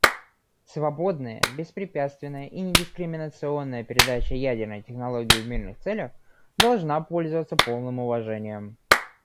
Свободная, беспрепятственная и недискриминационная передача ядерной технологии в мирных целях должна пользоваться полным уважением.